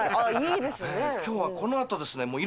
今日はこのあとですね